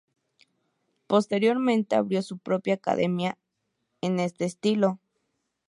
Posteriormente abrió su propia academia en este estilo.